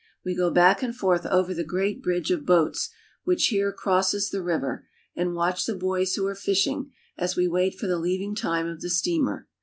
We go back and forth over the great bridge of boats which here crosses the river, and watch the boys who are fishing, as we wait for the leaving time of the steamer.